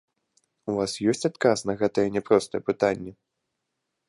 У вас ёсць адказ на гэтае няпростае пытанне?